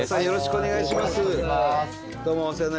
よろしくお願いします。